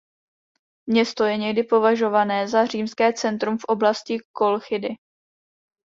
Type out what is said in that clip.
Město je někdy považované za římské centrum v oblasti Kolchidy.